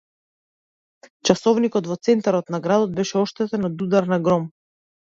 Часовникот во центарот на градот беше оштетен од удар на гром.